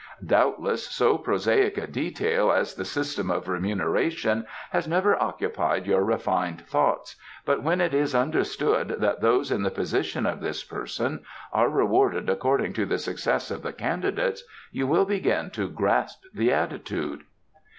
"Doubtless so prosaic a detail as the system of remuneration has never occupied your refined thoughts, but when it is understood that those in the position of this person are rewarded according to the success of the candidates you will begin to grasp the attitude."